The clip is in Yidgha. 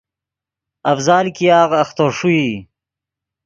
افضال ګیاغ اختو ݰوئی